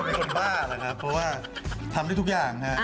คนบ้าแหละครับเพราะว่าทำได้ทุกอย่างฮะ